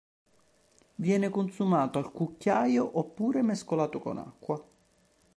Viene consumato al cucchiaio oppure mescolato con acqua.